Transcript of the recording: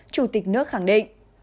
chủ tịch nước khẳng định